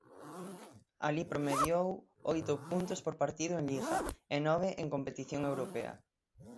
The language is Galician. Alí promediou oito puntos por partido en Liga e nove en competición europea.